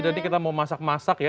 jadi kita mau masak masak ya